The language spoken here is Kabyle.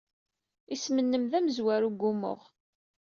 Isem-nnem d amezwaru deg wumuɣ.